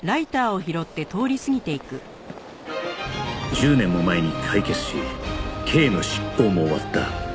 １０年も前に解決し刑の執行も終わった